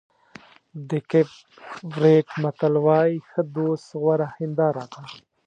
د کېپ ورېډ متل وایي ښه دوست غوره هنداره ده.